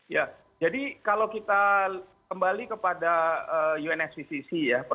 ya jadi kalau kita kembali kepada unsvccc ya